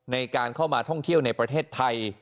ในการเข้ามาท่องเที่ยวในประเทศไทย